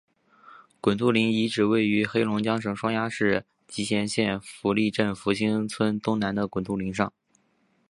滚兔岭遗址位于黑龙江省双鸭山市集贤县福利镇福兴村东南的滚兔岭上。